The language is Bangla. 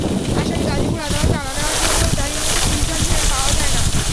আসামি গাজীপুর আদালতে আনা-নেওয়ার জন্য চাহিদামতো প্রিজন ভ্যান পাওয়া যায় না।